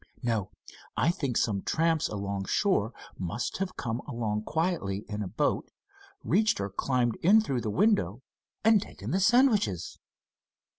No, I think some tramps along shore must have come along quietly in a boat, reached or climbed in through the window and taken the sandwiches."